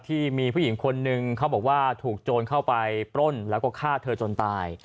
ที่มีผู้หญิงคนนึงเขาบอกว่าถูกโจรเข้าไปปล้นแล้วก็ฆ่าเธอจนตาย